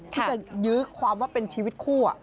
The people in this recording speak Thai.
ที่จะยื้อความว่าเป็นชีวิตคู่